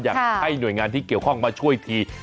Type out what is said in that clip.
อยากให้หน่วยงานที่เกี่ยวข้องมาช่วยที